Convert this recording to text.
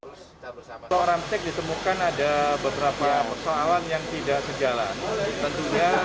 tidak menyamin terus terpaksa ramcek ditemukan ada beberapa persoalan yang tidak sejalan tentunya